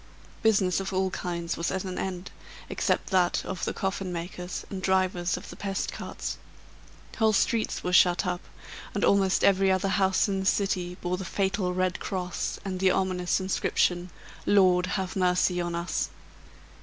Business of all kinds was at an end, except that of the coffin makers and drivers of the pest cart. Whole streets were shut up, and almost every other house in the city bore the fatal red cross, and the ominous inscription, "Lord have mercy on us".